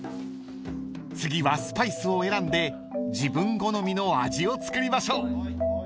［次はスパイスを選んで自分好みの味を作りましょう］